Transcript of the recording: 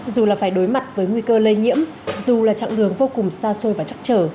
dù là phải đối mặt với nguy cơ lây nhiễm dù là chặng đường vô cùng xa xôi và chắc trở